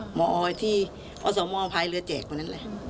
หมอออยที่อสโมพายเรือแจกมานั้นแหละ